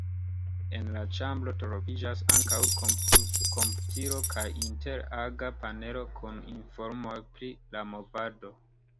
En la ĉambro troviĝas ankaŭ komputilo kaj inter-aga panelo kun informoj pri la movado.